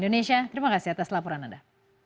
indonesia terima kasih atas laporan anda